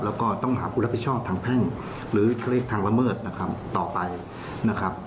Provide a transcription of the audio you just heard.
แล้วก็ต้องหาผู้รับผิดชอบทางแพ่งหรือทางละเมิดนะครับต่อไปนะครับ